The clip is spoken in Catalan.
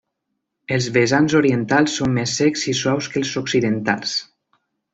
Els vessants orientals són més secs i suaus que els occidentals.